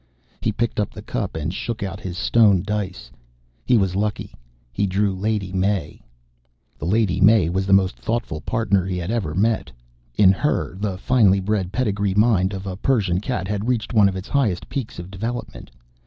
He picked up the cup and shook out his stone dice. He was lucky he drew the Lady May. The Lady May was the most thoughtful Partner he had ever met. In her, the finely bred pedigree mind of a Persian cat had reached one of its highest peaks of development.